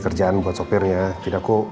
kerjaan buat sopirnya jadi aku